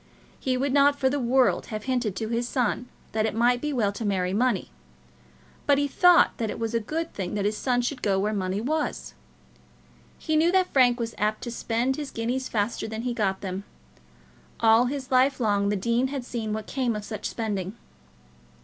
He would not for the world have hinted to his son that it might be well to marry money; but he thought that it was a good thing that his son should go where money was. He knew that Frank was apt to spend his guineas faster than he got them. All his life long the dean had seen what came of such spending.